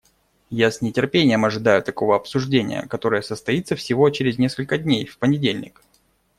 Я с нетерпением ожидаю такого обсуждения, которое состоится всего через несколько дней, в понедельник.